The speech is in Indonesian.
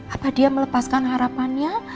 apa dia melepaskan harapannya